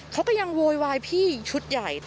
เขาก็ยังโวยวายพี่ชุดใหญ่